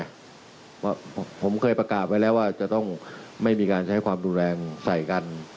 เพราะผมเคยประกาศไว้แล้วว่าจะต้องไม่มีการใช้ความรุนแรงใส่กัน